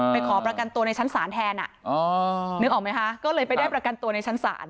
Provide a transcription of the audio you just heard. ขอประกันตัวในชั้นศาลแทนนึกออกไหมคะก็เลยไปได้ประกันตัวในชั้นศาล